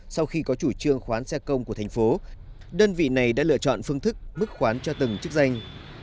sau khi có chủ trương khoán xe công của thành phố đơn vị này đã lựa chọn phương thức mức khoán cho từng chức danh